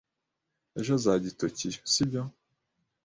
Ejo azajya i Tokiyo, sibyo?